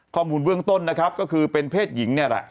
ข้อมูลเบื้องต้นนะครับก็คือเป็นเพศหญิงเนี่ยแหละ